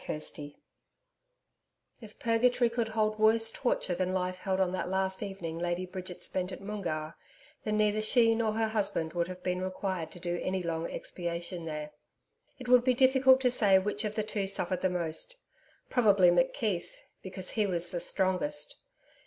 CHAPTER 9 If purgatory could hold worse torture than life held on that last evening Lady Bridget spent at Moongarr, then neither she nor her husband would have been required to do any long expiation there. It would be difficult to say which of the two suffered the most. Probably McKeith, because he was the strongest.